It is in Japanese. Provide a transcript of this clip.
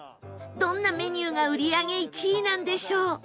どんなメニューが売り上げ１位なんでしょう？